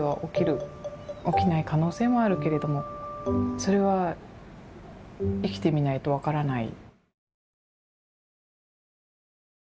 起きない可能性もあるけれどもそれは生きてみないと分からない」。